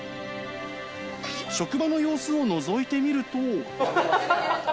職場の様子をのぞいてみると。